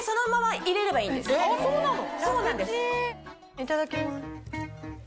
いただきます。